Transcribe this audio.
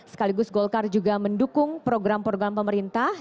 sekaligus golkar juga mendukung program program pemerintah